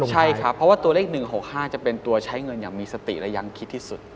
ใช่ครับเพราะว่าตัวเลข๑๖๕จะเป็นตัวใช้เงินอย่างมีสติและยังคิดที่สุด